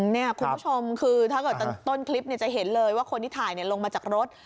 คุณผู้ชมคือถ้าเกิดต้นคลิปจะเห็นเลยว่าคนที่ถ่ายลงมาจากรถ